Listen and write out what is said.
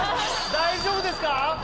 大丈夫です。